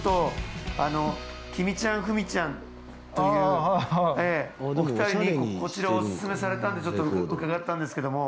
きみちゃん、ふみちゃんっていうお二人にこちらをお勧めされたんでちょっと伺ったんですけども。